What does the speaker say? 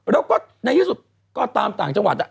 และก็ในที่สุดตามปฏิเสธจังหวัด